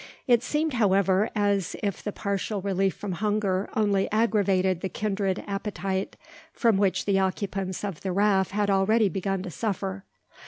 It seemed, however, as if the partial relief from hunger only aggravated the kindred appetite from which the occupants of the raft had already begun to suffer.